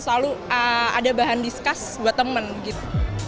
selalu ada bahan discuss buat temen gitu